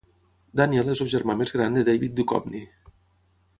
Daniel és el germà més gran de David Duchovny.